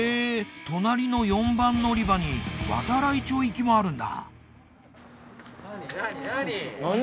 隣の４番乗り場に度会町行きもあるんだ。